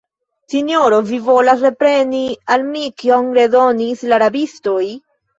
sinjoro, vi volas repreni de mi, kion redonis la rabistoj?